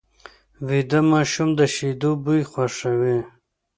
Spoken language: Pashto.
ویده ماشوم د شیدو بوی خوښوي